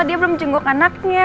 dia belum jenguk anaknya